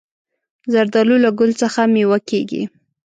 زردالو له ګل څخه مېوه کېږي.